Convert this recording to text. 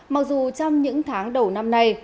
mặc dù trong những tháng đầu năm nay